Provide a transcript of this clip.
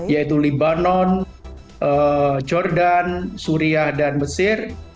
yaitu libanon jordan suria dan mesir